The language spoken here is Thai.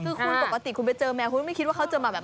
คือคุณปกติคุณไปเจอแมวคุณไม่คิดว่าเขาจะมาแบบ